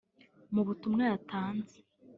Mu butumwa yatanze